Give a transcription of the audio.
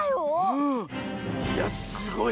いやすごい。